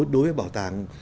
đối với bảo tàng